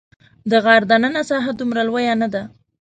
د غار دننه ساحه دومره لویه نه ده.